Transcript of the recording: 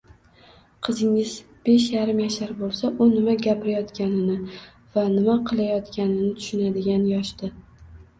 Qizingiz besh yarim yashar bo‘lsa, u nima gapirayotganini va nima qilayotganini tushunadigan yoshda.